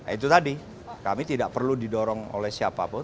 itu tadi kami tidak perlu didorong oleh siapapun